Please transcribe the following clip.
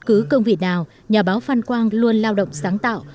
cứ công vị nào nhà báo phan quang luôn lao động sáng tạo